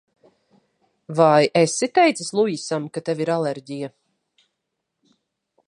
Vai esi teicis Luisam, ka tev ir alerģija?